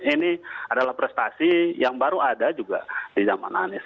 ini adalah prestasi yang baru ada juga di zaman anies